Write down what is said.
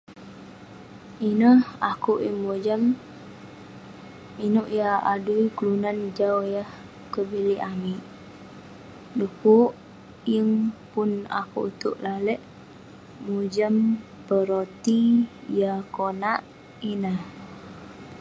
Ineh akouk yeng mojam, inouk yah adui kelunan jau yah kevilik amik. Dekuk yeng pun akouk itouk lalek mojam peroti yah konak ineh.